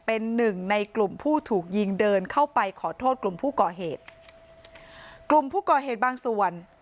เป็นหนึ่งในกลุ่มผู้ถูกยิงเดินเข้าไปขอโทษกลุ่มผู้ก่อเหตุกลุ่มผู้ก่อเหตุบางส่วน